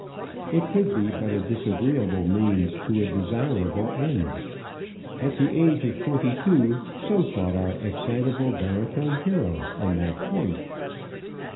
It could be but a disagreeable means to a desirable end. At the age of twenty two so thought our excitable barytone hero on that point.